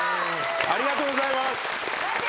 ・ありがとうございます。